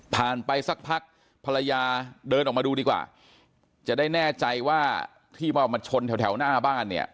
ไปสักพักภรรยาเดินออกมาดูดีกว่าจะได้แน่ใจว่าที่มาชนแถวหน้าบ้านเนี่ย